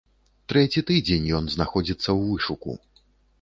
Трэці тыдзень ён знаходзіцца ў вышуку.